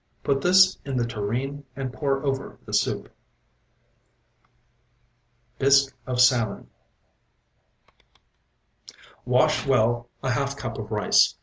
Put this in the tureen and pour over the soup. BISQUE OF SALMON Wash well a half cup of rice.